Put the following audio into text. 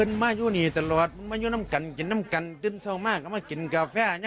ดานังอรสาวงพาศีอายุสี่สิบสี่ปี